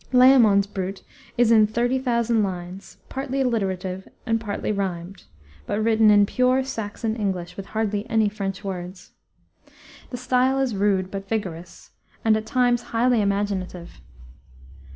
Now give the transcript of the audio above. Layamon's Brut is in thirty thousand lines, partly alliterative and partly rhymed, but written in pure Saxon English with hardly any French words. The style is rude but vigorous, and, at times, highly imaginative.